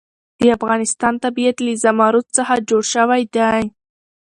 د افغانستان طبیعت له زمرد څخه جوړ شوی دی.